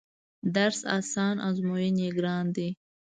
درس اسان ازمون يې ګران دی